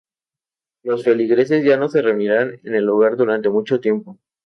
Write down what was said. Los feligreses ya no se reunirían en el lugar durante mucho tiempo.